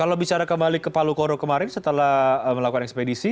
kalau bicara kembali ke palu koro kemarin setelah melakukan ekspedisi